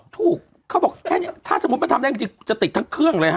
เขาบอกแค่นี้ถ้าสมมุติมันทำได้จริงจะติดทั้งเครื่องเลยฮ